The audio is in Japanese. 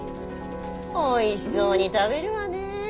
おいしそうに食べるわね。